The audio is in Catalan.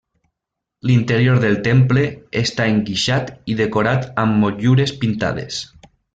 L'interior del temple està enguixat i decorat amb motllures pintades.